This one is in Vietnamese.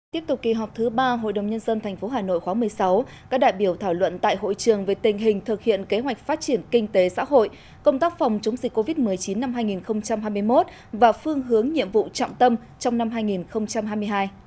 tiếp tục kỳ họp thứ ba hội đồng nhân dân tp hà nội khóa một mươi sáu các đại biểu thảo luận tại hội trường về tình hình thực hiện kế hoạch phát triển kinh tế xã hội công tác phòng chống dịch covid một mươi chín năm hai nghìn hai mươi một và phương hướng nhiệm vụ trọng tâm trong năm hai nghìn hai mươi hai